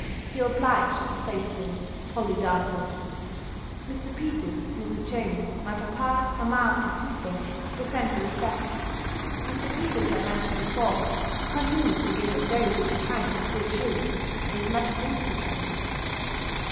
your obliged and faithful POLLY DARNFORD. Mrs. Peters, Mrs. Jones, my papa, mamma, and sister, present their respects. Mr. Peters I mentioned before. He continues to give a very good account of poor Jewkes; and is much pleased with her.